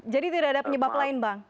jadi tidak ada penyebab lain bang